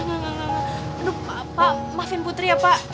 aduh maafin putri ya pak